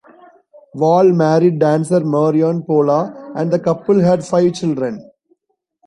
Wall married dancer Marion Pola and the couple had five children.